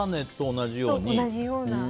同じような。